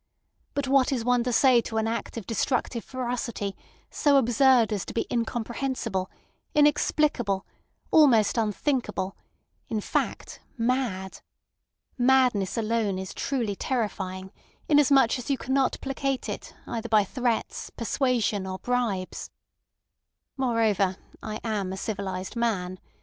But what is one to say to an act of destructive ferocity so absurd as to be incomprehensible, inexplicable, almost unthinkable; in fact, mad? Madness alone is truly terrifying, inasmuch as you cannot placate it either by threats, persuasion, or bribes. Moreover, I am a civilised man.